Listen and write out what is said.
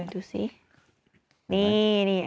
ดูสินี่นี่